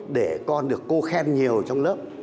để con được cô khen nhiều trong lớp